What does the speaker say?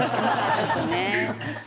まあちょっとね。